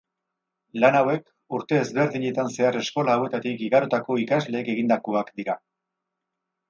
Lan hauek urte ezberdinetan zehar eskola hauetatik igarotako ikasleek egindakoak dira.